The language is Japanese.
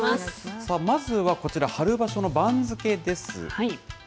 まずはこちら、春場所の番付です。